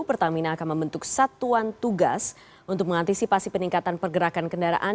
pertamina akan membentuk satuan tugas untuk mengantisipasi peningkatan pergerakan kendaraan